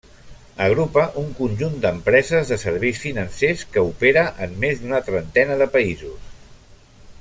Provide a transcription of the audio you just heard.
Agrupa un conjunt d'empreses de serveis financers que opera en més d'una trentena de països.